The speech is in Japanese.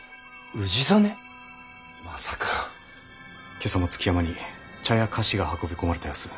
今朝も築山に茶や菓子が運び込まれた様子。